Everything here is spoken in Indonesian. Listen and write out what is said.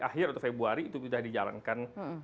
akhir atau februari itu sudah dijalankan